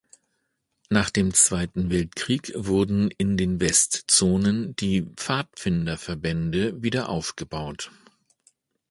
Nach dem Zweiten Weltkrieg wurden in den Westzonen die Pfadfinderverbände wieder aufgebaut.